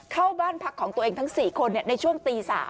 เข้าบ้านพักของตัวเองทั้ง๔คนในช่วงตี๓